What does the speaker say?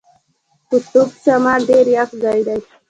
قطب شمال ډېر یخ ځای دی.